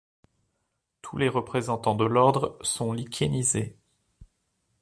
Tous les représentants de l'ordre sont lichénisés.